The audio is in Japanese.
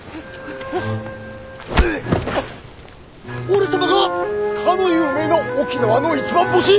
俺様がかの有名な沖縄の一番星。